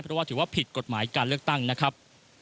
เพราะว่าถือว่าผิดกฎหมายการเลือกตั้งนะครับ